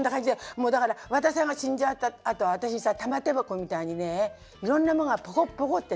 もうだから和田さんが死んじゃったあと私さ玉手箱みたいにねいろんなものがポコッポコッてね